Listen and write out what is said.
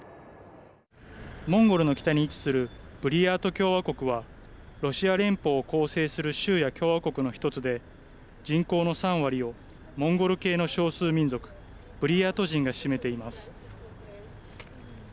モンゴルの北に位置するブリヤート共和国はロシア連邦を構成する州や共和国の１つで人口の３割をモンゴル系の少数民族ブリヤート人が占めています。